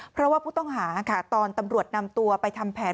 เพราะว่าผู้ต้องหาค่ะตอนตำรวจนำตัวไปทำแผน